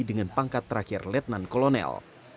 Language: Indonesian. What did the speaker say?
dengan pangkat terakhir letnan kolonel